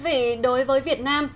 thưa quý vị đối với việt nam